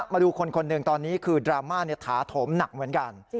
มาดูคนหนึ่งตอนนี้คือดราม่าถาโถมหนักเหมือนกัน